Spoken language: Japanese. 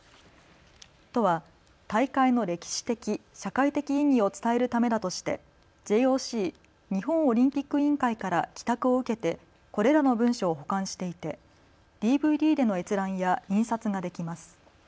都は大会の歴史的・社会的意義を伝えるためだとしてＪＯＣ・日本オリンピック委員会から寄託を受けてこれらの文書を保管していてＤＶＤでの閲覧や印刷ができます。